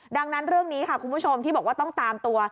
ดังนั้นเรื่องนี้ค่ะคุณผู้ชมที่บอกว่าต้องตามตัว